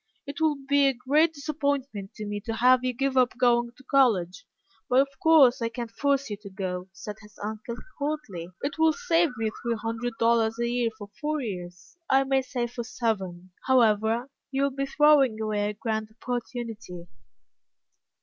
"It will be a great disappointment to me to have you give up going to college, but of course I can't force you to go," said his uncle, coldly. "It will save me three hundred dollars a year for four years I may say for seven, however. You will be throwing away a grand opportunity."